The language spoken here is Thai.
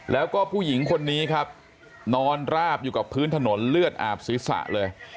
แล้วก็ผู้หญิงคนนี้ครับนอนราบอยู่กับพื้นถนนเลือดอาบศีรษะเลย